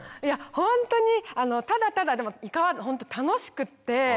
ホントにただただいかはホント楽しくって。